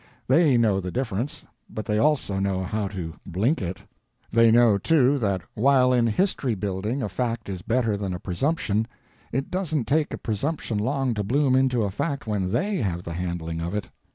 They know the difference, but they also know how to blink it. They know, too, that while in history building a fact is better than a presumption, it doesn't take a presumption long to bloom into a fact when they have the handling of it.